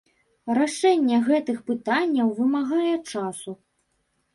Рашэнне гэтых пытанняў вымагае часу.